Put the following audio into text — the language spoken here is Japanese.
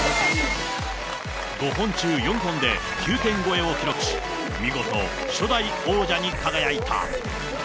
５本中４本で９点超えを記録し、見事、初代王者に輝いた。